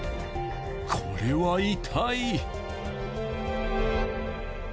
これは痛い。